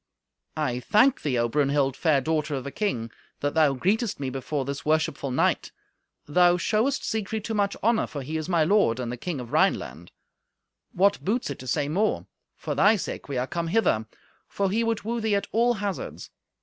"I thank thee, O Brunhild, fair daughter of a king, that thou greetest me before this worshipful knight. Thou showest Siegfried too much honour, for he is my lord, and the king of the Rhineland. What boots it to say more? For thy sake we are come hither, for he would woo thee at all hazards.